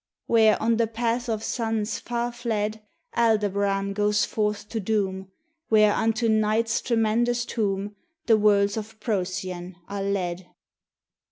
Where, on the path of suns far fled, Aldebaran goes forth to doom; Where unto Night's tremendous tomb The worlds of Procyon are led.